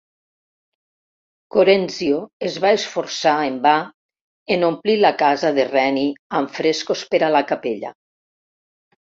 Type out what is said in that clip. Corenzio es va esforçar en va en omplir la casa de Reni amb frescos per a la capella.